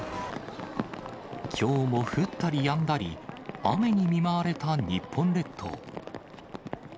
きょうも降ったりやんだり、雨に見舞われた日本列島。